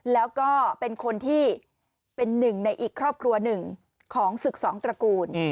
แล้วก็เป็นคนที่เป็นหนึ่งในอีกครอบครัวหนึ่งของศึกสองตระกูล